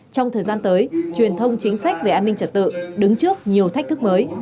trong thời gian tới truyền thông chính sách về an ninh trật tự đứng trước nhiều thách thức mới